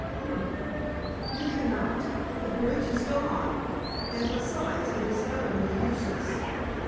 "Humph! You can not. The bridge is gone; and, besides it is utterly useless.